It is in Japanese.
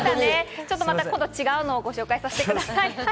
ちょっとまた今度、違うものをご紹介させてください。